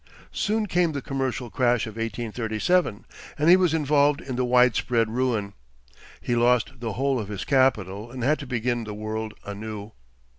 Soon came the commercial crash of 1837, and he was involved in the widespread ruin. He lost the whole of his capital, and had to begin the world anew.